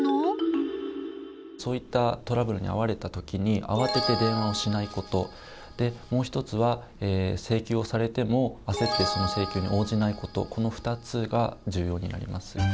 そういったトラブルに遭われた時にあわてて電話をしないこともう一つは請求をされてもあせってその請求に応じないことこの２つが重要になります。